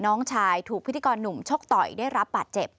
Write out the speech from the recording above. น้องชายถูกพิธีกรหนุ่มชกต่อยได้รับบาดเจ็บ